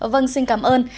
vâng xin cảm ơn